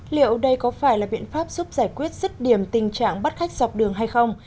liệu đây có phải là biện pháp giúp giải quyết rứt điểm tình trạng bắt khách dọc đường hay không